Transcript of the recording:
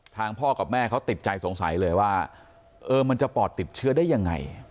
พ่อกับแม่เขาติดใจสงสัยเลยว่าเออมันจะปอดติดเชื้อได้ยังไง